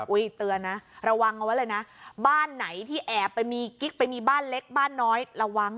เตือนนะระวังเอาไว้เลยนะบ้านไหนที่แอบไปมีกิ๊กไปมีบ้านเล็กบ้านน้อยระวัง